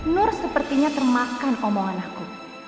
nur sepertinya termakan omongan aku